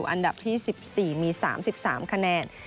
อันดับที่๑๔มี๓๓คะแนน